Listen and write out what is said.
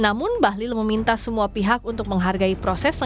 namun bahlil meminta semua pihak untuk menghargai prosesnya